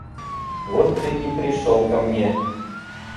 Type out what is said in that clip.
Вот ты и пришел ко мне.